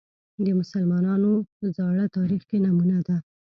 د مسلمانانو زاړه تاریخ کې نمونه ده